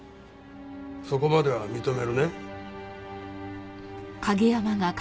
そこまでは認めるね？